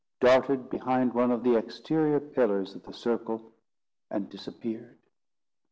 darted behind one of the exterior pillars of the circle, and disappeared.